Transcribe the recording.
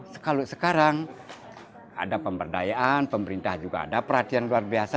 kalau sekarang ada pemberdayaan pemerintah juga ada perhatian luar biasa